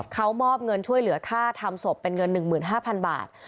เขามอบเงินช่วยเหลือค่าทำศพเป็นเงิน๑๕๐๐๐บาท